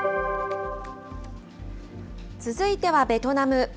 続いてはベトナム。